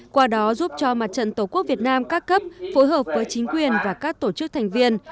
qua đó giúp cho mặt trận tổ quốc việt nam các cấp phối hợp với chính quyền và các tổ chức thành viên